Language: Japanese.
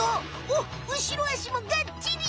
おっ後ろあしもがっちり。